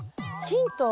ヒント？